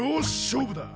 勝負だ！